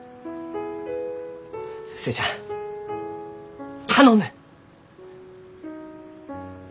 寿恵ちゃん頼む！